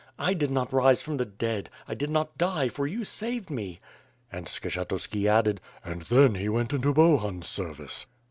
"I did not rise from the dead; I did not die, for you saved me.'' And Skshetuski added: "And then he went into Bohun's service."